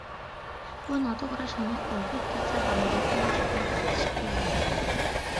بۇ ناتوغرا شامال ئۇلغىيىپ كەتسە بولمايدۇ، ئۇنى چوقۇم تۈزىتىش كېرەك!